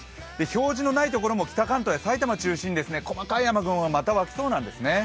表示のないところも北関東、埼玉を中心に細かい雨雲がまた湧きそうなんですね。